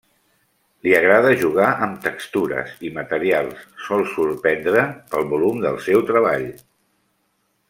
Li agrada jugar amb textures i materials, sol sorprendre pel volum del seu treball.